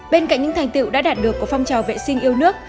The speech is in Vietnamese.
bên cạnh những thành tựu đã đạt được của phong trào vệ sinh yêu nước